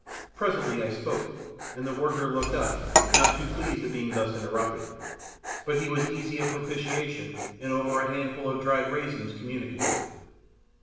Presently I spoke, and the worker looked up, not too pleased at being thus interrupted. But he was easy of propitiation, and over a handful of dried raisins communicative.